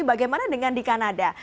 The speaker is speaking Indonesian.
bagaimana dengan di kanada